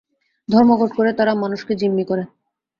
ধর্মঘট করে তারা মানুষকে জিম্মি করে।